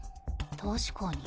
確かに。